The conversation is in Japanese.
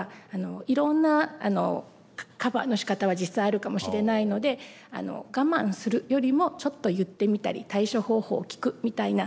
いろんなカバーのしかたは実際あるかもしれないので我慢するよりもちょっと言ってみたり対処方法を聞くみたいな。